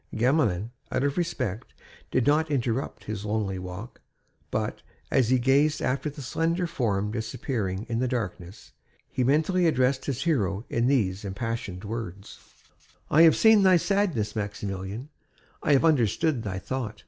Gamelin, out of respect, did not interrupt his lonely walk; but, as he gazed after the slender form disappearing in the darkness, he mentally addressed his hero in these impassioned words: "I have seen thy sadness, Maximilien; I have understood thy thought.